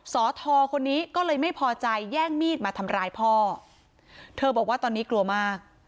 สอทอคนนี้ก็เลยไม่พอใจแย่งมีดมาทำร้ายพ่อเธอบอกว่าตอนนี้กลัวมาก